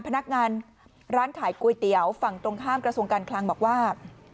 พนักงานร้านขายก๋วยเตี๋ยวฝั่งตรงข้ามกระทรวงการคลังบอกว่า